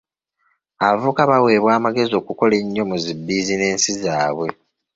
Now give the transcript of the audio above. Abavubuka baweebwa amagezi okukola ennyo mu zi bizinensi zaabwe.